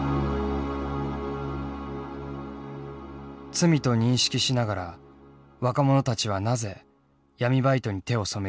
罪と認識しながら若者たちはなぜ闇バイトに手を染めるのか。